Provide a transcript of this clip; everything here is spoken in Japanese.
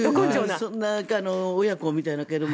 そんな親子みたいだけれども。